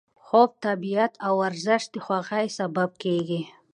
خوب، طبیعت او ورزش د خوښۍ سبب کېږي.